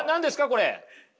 これ。